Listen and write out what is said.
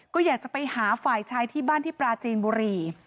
ก็อยากจะไปหาฝ่ายชายที่บ้านที่ปราจีนบุรี